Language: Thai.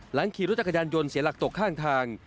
ขี่รถจักรยานยนต์เสียหลักตกข้างทาง